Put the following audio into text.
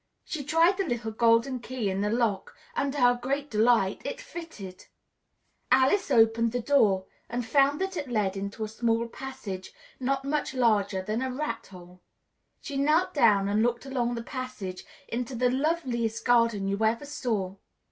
She tried the little golden key in the lock, and to her great delight, it fitted! Alice opened the door and found that it led into a small passage, not much larger than a rat hole; she knelt down and looked along the passage into the loveliest garden you ever saw.